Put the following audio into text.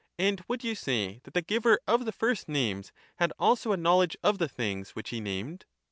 And would you say that the giver of the first names had also a knowledge of the things which he named?